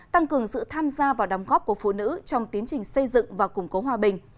tăng cường sự tham gia vào đóng góp của phụ nữ trong tiến trình xây dựng và củng cố hòa bình